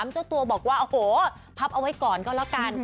เจ้าตัวบอกว่าโอ้โหพับเอาไว้ก่อนก็แล้วกัน